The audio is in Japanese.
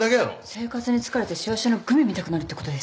生活に疲れてしわしわのグミみたくなるってことですか？